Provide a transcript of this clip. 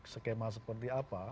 skema seperti apa